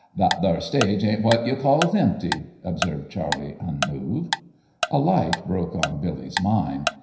"That thar stage ain't what you calls empty," observed Charley, unmoved. A light broke on Billy's mind.